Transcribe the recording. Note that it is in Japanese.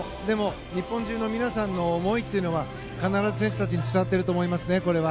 でも、日本中の皆さんの思いというのは必ず選手たちに伝わっていると思いますね。